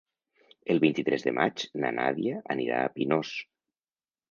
El vint-i-tres de maig na Nàdia anirà a Pinós.